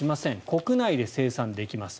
国内で生産できます。